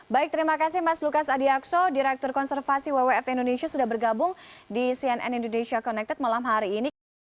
baik terima kasih mas lukas adiakso direktur konservasi wwf indonesia sudah bergabung di cnn indonesia connected malam hari ini